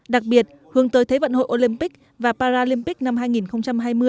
đặc biệt hướng tới thế vận hội olympic và paralympic năm hai nghìn hai mươi